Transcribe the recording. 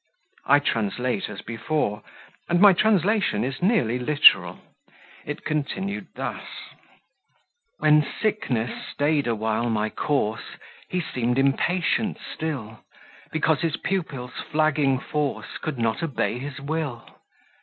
I translate as before, and my translation is nearly literal; it continued thus: When sickness stay'd awhile my course, He seem'd impatient still, Because his pupil's flagging force Could not obey his will.